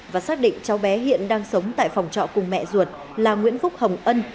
và xác định cháu bé hiện đang sống tại phòng trọ cùng mẹ ruột là nguyễn phúc hồng ân